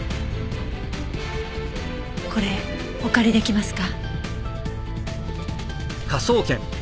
これお借り出来ますか？